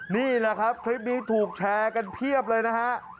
นี่แหละครับคลิปนี้ถูกแชร์กันเพียบเลยนะฮะ